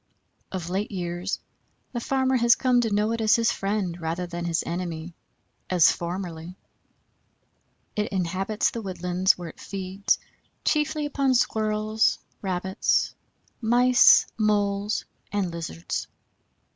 Of late years the farmer has come to know it as his friend rather than his enemy, as formerly. It inhabits the woodlands where it feeds chiefly upon Squirrels, Rabbits, Mice, Moles, and Lizards.